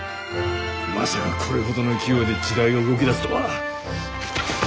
まさかこれほどの勢いで時代が動きだすとは。